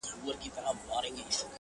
زه وايم دا,